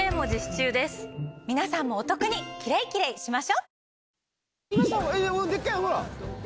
皆さんもお得にキレイキレイしましょう！